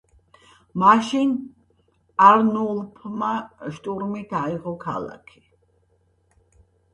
მაშინ არნულფმა შტურმით აიღო ქალაქი.